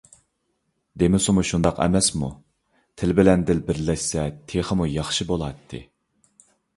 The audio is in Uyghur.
دېمىسىمۇ شۇنداق ئەمەسمۇ، تىل بىلەن دىل بىرلەشسە تېخىمۇ ياخشى بولاتتى.